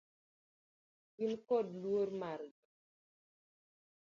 Gin kod luor margi.